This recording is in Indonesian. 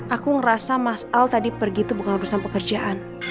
aku ngerasa mas al tadi pergi itu bukan urusan pekerjaan